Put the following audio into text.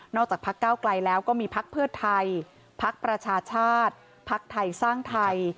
จากพักเก้าไกลแล้วก็มีพักเพื่อไทยพักประชาชาติภักดิ์ไทยสร้างไทย